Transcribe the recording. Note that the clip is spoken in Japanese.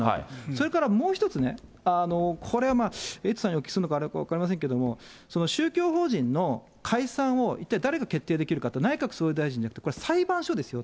それからもう一つね、これはまあ、エイトさんにお聞きするのがいいのか分かりませんけれども、宗教法人の解散を一体誰が決定できるかって、内閣総理大臣じゃなくて、裁判所ですよ。